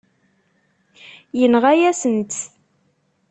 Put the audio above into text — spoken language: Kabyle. Yenɣa-yasen-t.